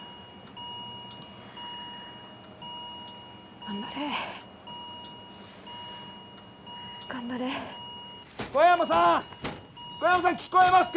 頑張れ頑張れ小山さん小山さん聞こえますか？